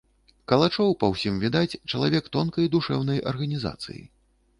Калачоў, па ўсім відаць, чалавек тонкай душэўнай арганізацыі.